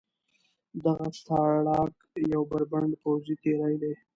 دغه تاړاک یو بربنډ پوځي تېری دی.